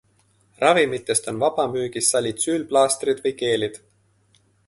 Ravimitest on vabamüügis salitsüülplaastrid või -geelid.